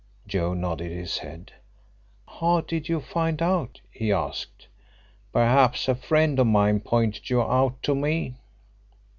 Joe nodded his head. "How did you find out?" he asked. "Perhaps a friend of mine pointed you out to me."